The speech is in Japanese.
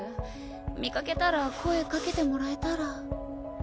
見掛けたら声かけてもらえたら。